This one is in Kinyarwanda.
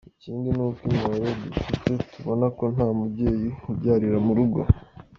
Ikindi ni uko imibare dufite tubona ko nta mubyeyi ubyarira mu rugo.